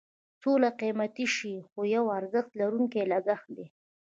سوله قیمتي شی دی خو یو ارزښت لرونکی لګښت دی.